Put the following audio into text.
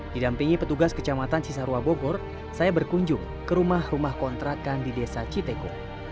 didampingi petugas kecamatan cisarua bogor saya berkunjung ke rumah rumah kontrakan di desa citeko